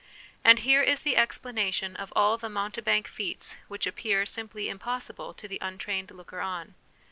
And here is the explanation of all the mountebank feats which appear simply impossible to the untrained looker on.